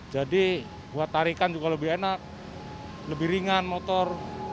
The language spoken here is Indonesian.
jadi buat tarikan juga lebih enak lebih ringan motor